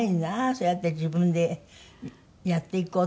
そうやって自分でやっていこうっていうのが。